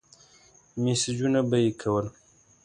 مسېجونه به يې کول.